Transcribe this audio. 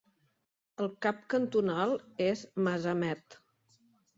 El cap cantonal és Masamet.